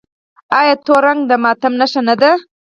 آیا تور رنګ د ماتم نښه نه ده؟